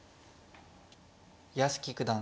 屋敷九段